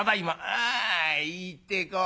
「ああ行ってこ。